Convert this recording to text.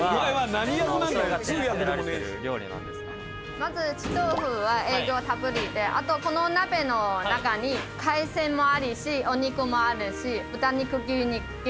まず血豆腐は栄養たっぷりであとこの鍋の中に海鮮もあるしお肉もあるし豚肉牛肉全部あるんです。